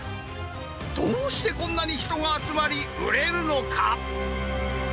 どうしてこんなに人が集まり、売れるのか。